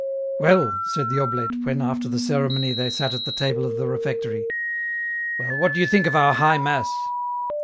" Well," said the oblate, when, after the ceremony, they sat at the table of the refectory ;" well, what do you think of our High Mass